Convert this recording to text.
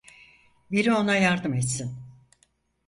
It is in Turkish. Biri ona yardım etsin!